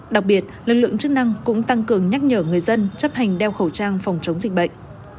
đặc biệt lực lượng chức năng cũng tăng cường nhắc nhở người dân chấp hành đeo khẩu trang phòng chống dịch bệnh